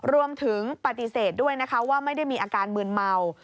รวมถึงปฏิเสธด้วยนะคะว่าไม่ได้มีอาการมืนเมา